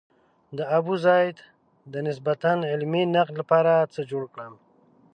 د ابوزید د نسبتاً علمي نقد لپاره څه جوړ کړم.